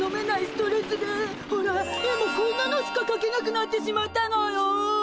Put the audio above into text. ストレスでほら絵もこんなのしかかけなくなってしまったのよ。